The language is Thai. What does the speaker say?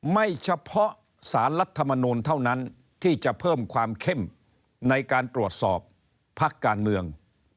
ไม่เฉพาะสารรัฐมนูลเท่านั้นที่จะเพิ่มความเข้มในการตรวจสอบพักการเมือง